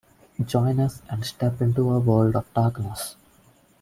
Join us and step into our World of Darkness!